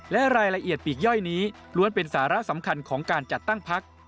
และรายละเอียดปีกย่อยนี้ล้วนเป็นสาระสำคัญของการจัดตั้งพัก